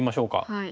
はい。